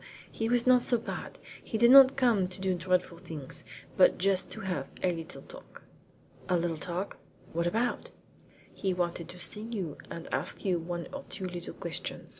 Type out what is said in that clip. He was not so bad. He did not come to do dreadful things, but just to have a little talk.'' "A little talk? What about?" "He wanted to see you, and ask you one or two little questions.